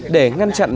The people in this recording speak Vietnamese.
để ngăn chặn